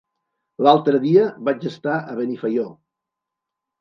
L'altre dia vaig estar a Benifaió.